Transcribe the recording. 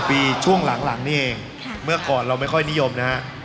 ปีช่วงหลังนี่เองเมื่อก่อนเราไม่ค่อยนิยมนะฮะ